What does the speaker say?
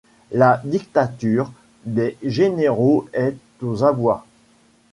La dictature des généraux est aux abois.